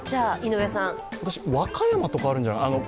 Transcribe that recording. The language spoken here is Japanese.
私、和歌山とかあるんじゃないかと。